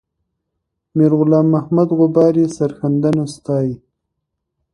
میرغلام محمد غبار یې سرښندنه ستایي.